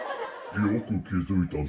よく気付いたな。